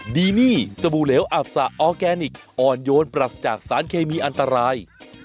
ดีนี่สบู่เหลวอับสะออร์แกนิคอ่อนโยนปรัสจากสารเคมีอันตราย